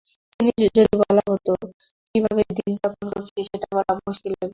কিন্তু যদি বলা হয়, কীভাবে দিন যাপন করছি, সেটা বলা মুশকিলের ব্যাপার।